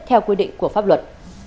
theo quy định của pháp luật